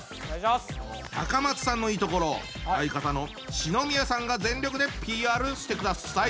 高松さんのいいところを相方の篠宮さんが全力でＰＲしてください。